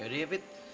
yaudah ya pit